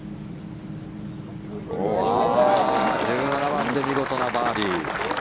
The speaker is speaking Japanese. １７番で見事なバーディー。